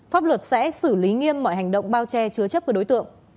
pháp luật sẽ xử lý nghiêm mọi hành động bao che chứa chấp của đối tượng